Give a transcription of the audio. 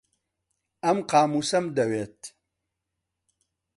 ئەم قامووسەم دەوێت.